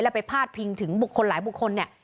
ไปพาดพิงถึงบุคคลหลายบุคคลเนี่ย